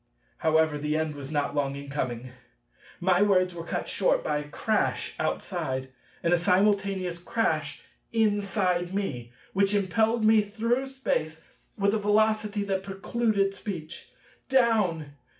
However, the end was not long in coming. My words were cut short by a crash outside, and a simultaneous crash inside me, which impelled me through space with a velocity that precluded speech.